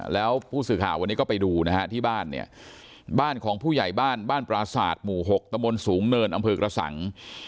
แล้วผู้สื่อข่าววันนี้ก็ไปดูนะฮะที่บ้านเนี่ยบ้านของผู้ใหญ่บ้านบ้านปราศาสตร์หมู่๖ตะมนต์สูงเนินอำเภอกระสัง